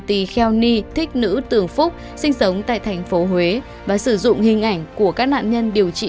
tì kheo ni thích nữ tường phúc sinh sống tại tp huế và sử dụng hình ảnh của các nạn nhân điều trị